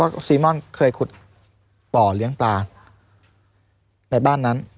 ซีม่อนเคยขุดบ่อเลี้ยงปลาในบ้านนั้น